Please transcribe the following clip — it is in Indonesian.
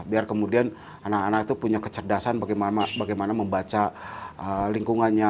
biar kemudian anak anak itu punya kecerdasan bagaimana membaca lingkungannya